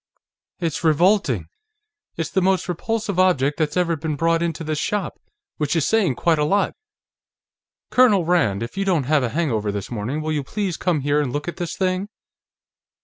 "It's revolting! It's the most repulsive object that's ever been brought into this shop, which is saying quite a lot. Colonel Rand! If you don't have a hangover this morning, will you please come here and look at this thing?"